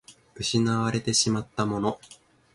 失われてしまったもの